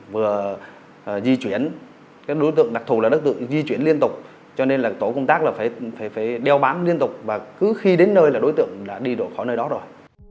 vừa di chuyển các đối tượng đặc thù là đối tượng di chuyển liên tục cho nên là tổ công tác là phải đeo bám liên tục và cứ khi đến nơi là đối tượng đi đổ khỏi nơi đó rồi